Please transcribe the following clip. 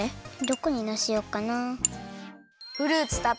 どこにのせようかな？